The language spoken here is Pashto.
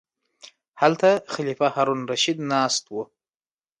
هلته خلیفه هارون الرشید ناست و.